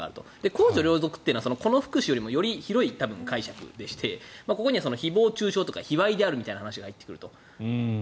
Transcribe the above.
公序良俗というのは個の福祉よりもより広い解釈でしてここには誹謗・中傷とか卑猥であるみたいな話が入ってくると。